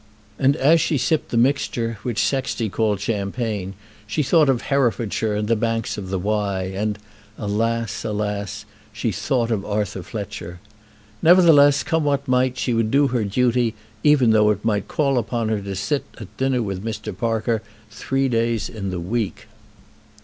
And as she sipped the mixture which Sexty called champagne, she thought of Herefordshire and the banks of the Wye, and, alas, alas, she thought of Arthur Fletcher. Nevertheless, come what might, she would do her duty, even though it might call upon her to sit at dinner with Mr. Parker three days in the week.